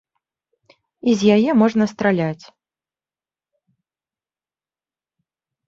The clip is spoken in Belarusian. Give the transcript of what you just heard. І з яе можна страляць.